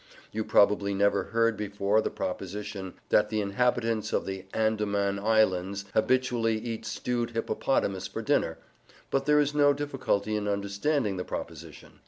You probably never heard before the proposition "that the inhabitants of the Andaman Islands habitually eat stewed hippopotamus for dinner," but there is no difficulty in understanding the proposition.